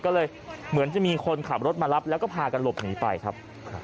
ก็เลยเหมือนจะมีคนขับรถมารับแล้วก็พากันหลบหนีไปครับ